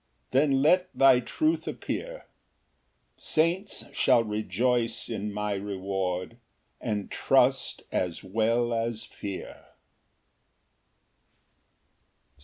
Then let thy truth appear: Saints shall rejoice in my reward, And trust as well as fear.